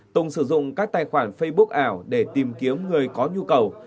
tùng sử dụng các tài khoản facebook ảo để tìm kiếm người có nhu cầu